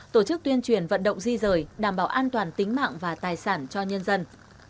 tổ chức tuyên truyền vận động di rời đảm bảo an toàn tính mạng và tài sản cho nhân dân